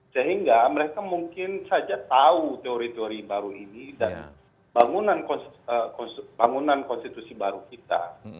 sehingga mereka mungkin saja tahu teori teori baru ini dan bangunan konstitusi baru kita